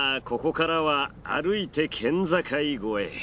ここからは歩いて県境越え。